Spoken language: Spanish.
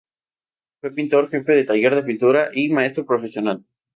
Fue pintor, jefe de taller de pintura y maestro profesional.